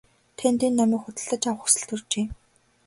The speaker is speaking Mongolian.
Танд энэ номыг худалдаж авах хүсэл төржээ.